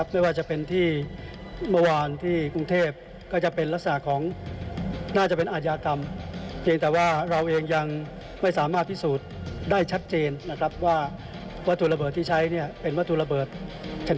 มาดำเนินการสอบสวน